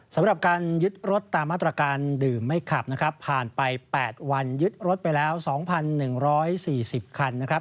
สำหรับการยึดรถตามมาตรการดื่มไม่ขับนะครับผ่านไป๘วันยึดรถไปแล้ว๒๑๔๐คันนะครับ